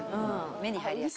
目に入りやすい。